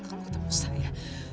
kamu butuh mustahilnya